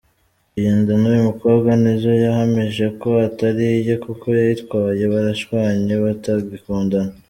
Iyi nda y’uyu mukobwa, Nizzo yahamije ko atari iye kuko yayitwaye barashwanye batagikundana.